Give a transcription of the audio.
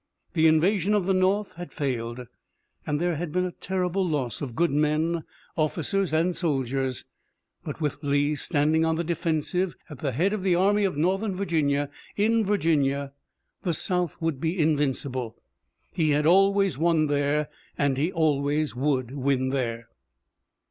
The invasion of the North had failed, and there had been a terrible loss of good men, officers and soldiers, but, with Lee standing on the defensive at the head of the Army of Northern Virginia, in Virginia, the South would be invincible. He had always won there, and he always would win there.